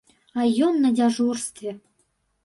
А ён на дзяжурстве.